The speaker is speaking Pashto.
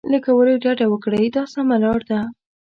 له کولو یې ډډه وکړئ دا سمه لار ده.